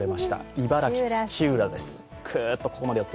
茨城・土浦です。